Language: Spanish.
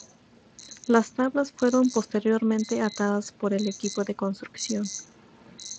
Las tablas fueron posteriormente atadas por el equipo de construcción.